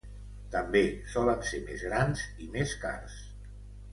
També solen ser més grans i més cars.